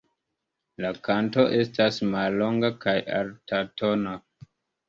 La kanto estas mallonga kaj altatona.